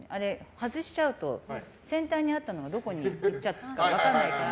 外しちゃうと先端にあったのがどこにいっちゃったか分からないから。